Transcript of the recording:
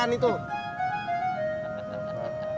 beresin lu karaci lu